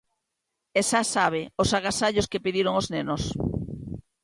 E xa sabe os agasallos que pediron os nenos.